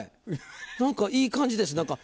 何かいい感じです。